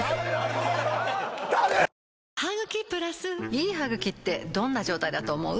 いい歯ぐきってどんな状態だと思う？